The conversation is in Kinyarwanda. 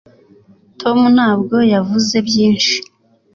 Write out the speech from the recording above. tom ntabwo yavuze byinshi